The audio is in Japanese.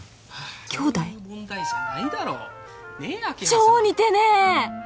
超似てねえ！